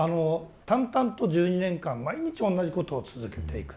淡々と１２年間毎日同じことを続けていく。